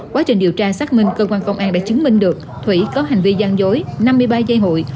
quá trình điều tra xác minh cơ quan công an đã chứng minh được thủy có hành vi gian dối năm mươi ba dây hụi